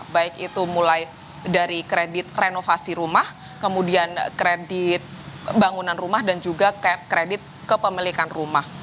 baik itu mulai dari kredit renovasi rumah kemudian kredit bangunan rumah dan juga kredit kepemilikan rumah